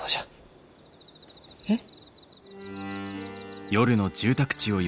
えっ？